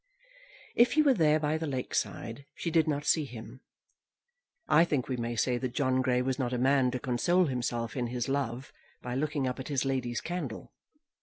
If he were there, by the lake side, she did not see him. I think we may say that John Grey was not a man to console himself in his love by looking up at his lady's candle.